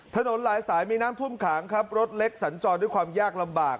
ถนนหลายสายมีน้ำท่วมขังครับรถเล็กสัญจรด้วยความยากลำบาก